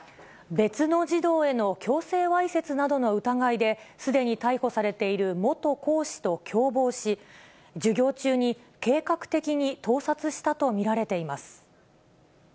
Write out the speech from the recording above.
別の児童への強制わいせつなどの疑いで、すでに逮捕されている元講師と共謀し、授業中に計画的に盗撮したと見られています。